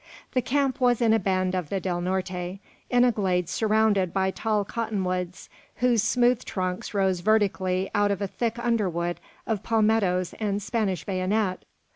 The camp was in a bend of the Del Norte, in a glade surrounded by tall cotton woods, whose smooth trunks rose vertically out of a thick underwood of palmettoes and Spanish bayonet.